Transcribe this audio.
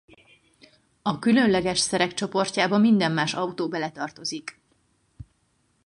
A különleges szerek csoportjába minden más autó beletartozik.